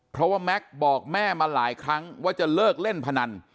เพราะว่าแม็กซ์บอกแม่มาหลายครั้งว่าจะเลิกเล่นพนัน